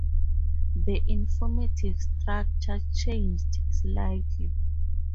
The informative structure changed slightly.